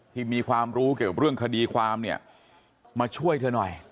ที่มีความรู้เกี่ยวกับเรื่องคดีความเนี่ยมาช่วยเธอหน่อย